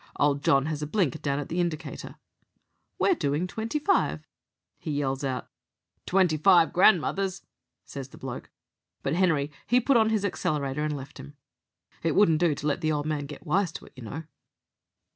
Old John has a blink down at the indicator. 'We're doing twenty five,' he yells out. 'Twenty five grandmothers,' says the bloke; but Henery he put on his accelerator, and left him. It wouldn't do to let the old man get wise to it, you know."